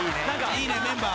いいねメンバー。